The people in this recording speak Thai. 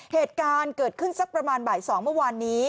เหตุการณ์เกิดขึ้นสักประมาณบ่าย๒เมื่อวานนี้